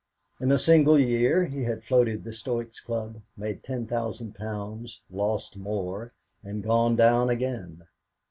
In a single year he had floated the Stoics' Club, made ten thousand pounds, lost more, and gone down again.